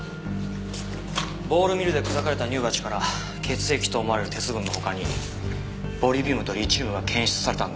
ボールミルで砕かれた乳鉢から血液と思われる鉄分の他にボリビウムとリチウムが検出されたんだ。